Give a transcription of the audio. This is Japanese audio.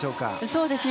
そうですね。